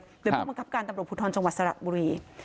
หรือผู้บังคับการตำรวจภูทรจังหวัดสระบุรี